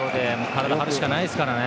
体を張るしかないですからね。